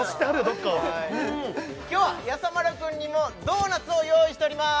どっかを今日はやさ丸くんにもドーナツを用意しております